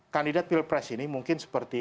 kandidat pilpres ini mungkin seperti